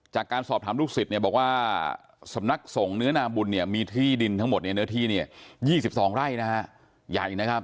จากการสอบถามลูกศิษย์บอกว่าสำนักสงฆ์เนื้อนาบุญมีที่ดินทั้งหมดในเนื้อที่๒๒ไร่ใหญ่